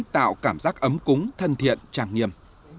tạo cảm giác ấm cúng thân thiện trang nghiêm